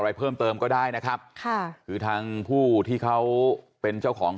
อะไรเพิ่มเติมก็ได้นะครับค่ะคือทางผู้ที่เขาเป็นเจ้าของ